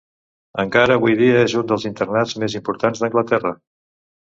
Encara avui dia és un dels internats més importants d'Anglaterra.